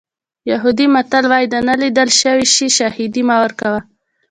یهودي متل وایي د نه لیدل شوي شي شاهدي مه ورکوه.